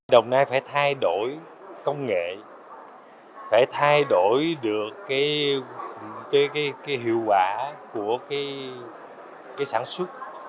đồng nai phải thay đổi công nghệ phải thay đổi được cái hiệu quả của cái sản xuất